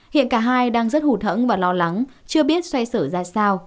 hiện cả hai đang rất hụt hẫn và lo lắng chưa biết xoay xử ra sao